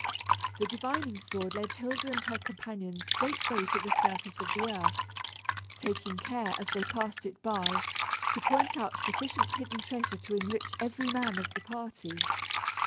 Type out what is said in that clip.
The divining sword led Hilda and her companions straightway to the surface of the earth, taking care, as they passed it by, to point out sufficient hidden treasure to enrich every man of the party.